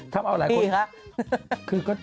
ทำเอาหลายคนฮะ